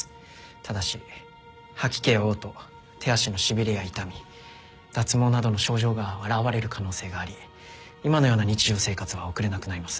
ただし吐き気や嘔吐手足のしびれや痛み脱毛などの症状が現れる可能性があり今のような日常生活は送れなくなります。